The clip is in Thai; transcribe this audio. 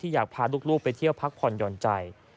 อยากพาลูกไปเที่ยวพักผ่อนหย่อนใจ